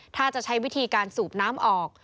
ถ้าจะใช้วิธีการสูบน้ำออก